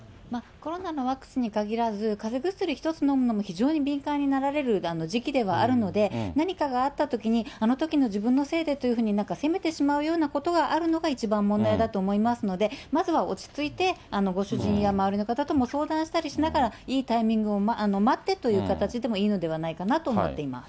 コロナのワクチンに限れば、かぜ薬一つのむのも非常に敏感になられる時期ではあるので、何かがあったときにあのときの自分のせいでというふうに責めてしまうようなことがあるのが一番問題だと思いますので、まずは落ち着いて、ご主人や、周りの方とも相談したりしながら、いいタイミングを待ってという形でもいいのではないかなと思っています。